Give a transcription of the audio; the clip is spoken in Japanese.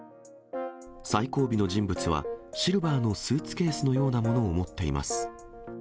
最後尾の人物は、シルバーのスーツケースのようなものを持っています。